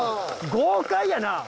豪快やな！